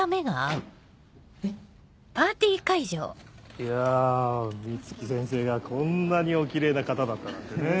いやぁ美月先生がこんなにおキレイな方だったなんてねぇ。